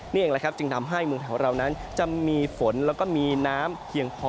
นี่เองแหละครับจึงทำให้เมืองแถวเรานั้นจะมีฝนแล้วก็มีน้ำเพียงพอ